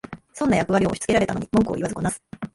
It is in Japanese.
損な役割を押しつけられたのに文句言わずこなす